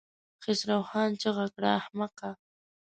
خسرو خان چيغه کړه! احمقه!